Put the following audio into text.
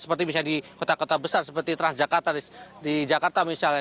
seperti misalnya di kota kota besar seperti transjakarta di jakarta misalnya